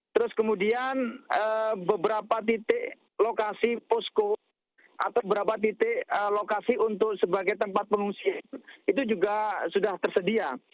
terus kemudian beberapa titik lokasi posko atau beberapa titik lokasi untuk sebagai tempat pengungsian itu juga sudah tersedia